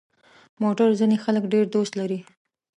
موټر ځینې خلک ډېر دوست لري.